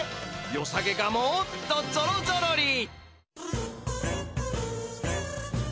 よさげがもっとぞろぞろり！